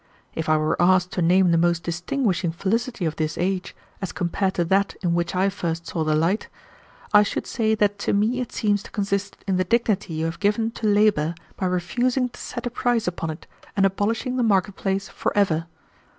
If I were asked to name the most distinguishing felicity of this age, as compared to that in which I first saw the light, I should say that to me it seems to consist in the dignity you have given to labor by refusing to set a price upon it and abolishing the market place forever.